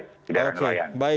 di daerah nelayan